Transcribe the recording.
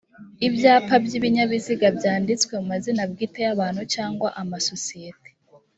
ibyapa byi ibinyabiziga byanditswe mu mazina bwite y abantu cyangwa amasosiyete